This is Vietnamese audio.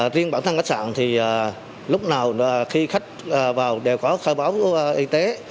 riêng bản thân khách sạn thì lúc nào khi khách vào đều có khai báo y tế